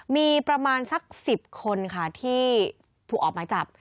มีประมาณสัก๑๐คนค่ะที่ถูกออกหมายจับ